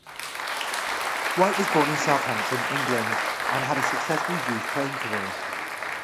White was born in Southampton, England, and had a successful youth playing career.